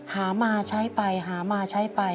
หามาใช้ไปหามาใช้ไป